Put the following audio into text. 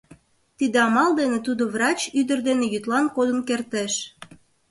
Тиде амал дене тудо врач ӱдыр дене йӱдлан кодын кертеш.